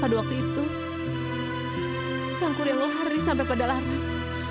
pada waktu itu sang kurian lari sampai pada larang